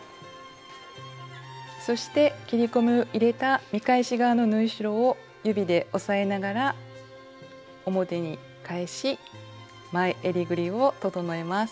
そして切り込みを入れた見返し側の縫い代を指で押さえながら表に返し前えりぐりを整えます。